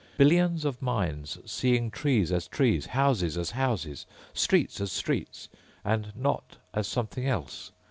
Billions of minds seeing trees as trees, houses as houses, streets as streets ... and not as something else.